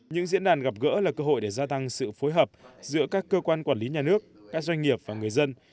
những diễn đàn gặp gỡ là cơ hội để gia tăng sự phối hợp giữa các cơ quan quản lý nhà nước các doanh nghiệp và người dân